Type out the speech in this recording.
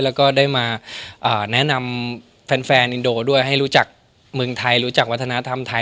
แล้วก็ได้มาแนะนำแฟนอินโดด้วยให้รู้จักเมืองไทยรู้จักวัฒนธรรมไทย